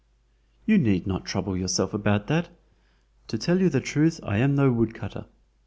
"You need not trouble yourself about that. To tell you the truth I am no woodcutter!